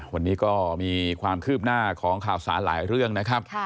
วันนี้ก็มีความคืบหน้าของข่าวสารหลายเรื่องนะครับ